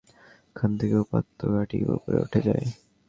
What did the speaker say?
এখান থেকে উপত্যকাটি উপরে উঠে যায়।